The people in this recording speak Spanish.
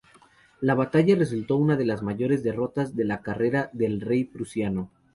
La batalla resultó una de las mayores derrotas de la carrera del rey prusiano.